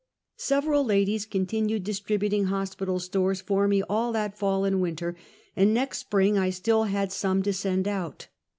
Several ladies continued distributing hospital stores for me all that fall and winter, and next spring I still had some to send out.